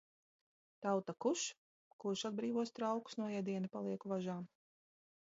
Tauta, kuš! Kurš atbrīvos traukus no ēdiena palieku važām?